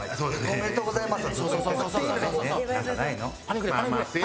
おめでとうございます。